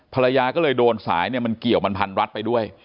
ภรรยาก็เลยโดนสายเนี่ยมันเกี่ยวมันพันรัดไปด้วย